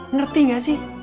ngerti gak sih